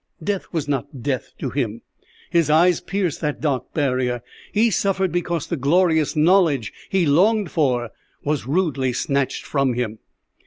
Death was not death to him his eyes pierced that dark barrier; he suffered because the glorious knowledge he longed for was rudely snatched from him."